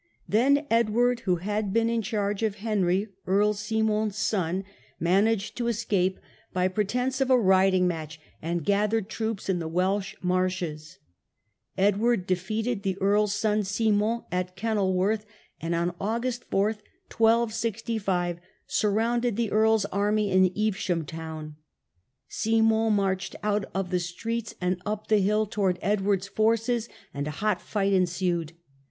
Then Edward, who had been in charge of Henry, Earl Simon's son, managed 76 THE BATTLE OF EVESHAM. to escape by pretence of a riding match, and gathered troops in the Welsh marches. Edward defeated the earl's The battle of ^^* Simon, at Kenilworth, and on August 4, Evesham, 1 265, surrounded the earl's army in £ves "^ ham town. Simon marched out of the streets and up the hill towards Edward's forces, and a hot fight ensued.